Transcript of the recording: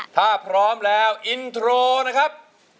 ถ้าพร้อมแล้วอินโทรนะครับ